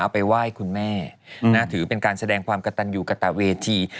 ไปไหว้คุณแม่ถือเป็นการแสดงความกระตันอยู่กระตะเวที